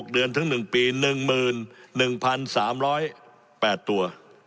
เดือนถึง๑ปี๑๑๓๐๘ตัว